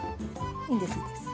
いいですいいです。